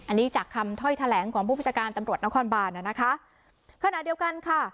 อันนี้จากคำถ้อยแถลงของผู้ประชาการตำรวจนครบานนะคะขณะเดียวกันค่ะ